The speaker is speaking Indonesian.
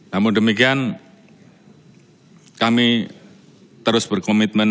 namun demikian kami terus berkomitmen